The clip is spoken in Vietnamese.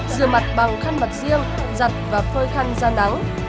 rửa mặt bằng khăn mặt riêng giặt và phơi khăn da nắng